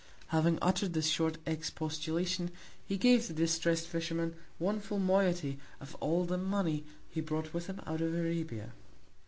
Having utter'd this short Expostulation, he gave the distrest Fisherman one full Moiety of all the Money he brought with him out of Arabia.